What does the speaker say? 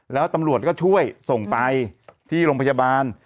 แล้วตำรวจก็ช่วยส่งไปที่โรงพยาบาล